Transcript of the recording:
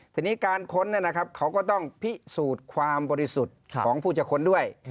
ทีนี้การค้นเขาก็ต้องพิสูจน์ความบริสุทธิ์ของผู้จะค้นด้วย